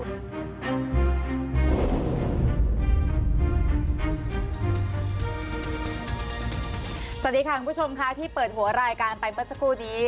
สวัสดีค่ะคุณผู้ชมค่ะที่เปิดหัวรายการไปเมื่อสักครู่นี้